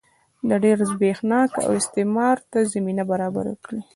د ډېر زبېښاک او استثمار ته زمینه برابره کړي.